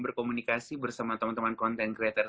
berkomunikasi bersama teman teman content creator